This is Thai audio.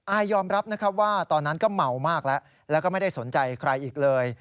อายยอมรับนะครับว่าตอนนั้นก็เมามากแล้วแล้วก็ไม่ได้สนใจใครอีกเลย